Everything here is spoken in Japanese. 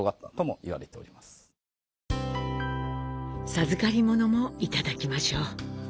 授かり物もいただきましょう。